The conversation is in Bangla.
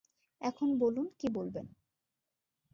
এখন বলুন কি বলবেন।